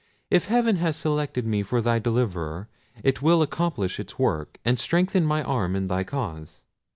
If heaven has selected me for thy deliverer, it will accomplish its work, and strengthen my arm in thy cause.